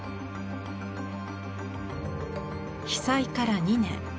被災から２年。